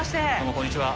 匹Δこんにちは。